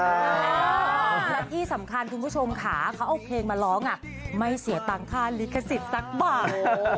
แล้วที่สำคัญคุณผู้ชมค่ะเขาเอาเพลงมาร้องไม่เสียตังค่าลิขสิทธิ์สักบาท